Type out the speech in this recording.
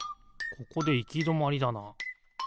ここでいきどまりだな。